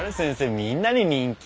みんなに人気。